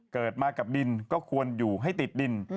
เกิดมากับดินก็ควรอยู่ให้ติดดิน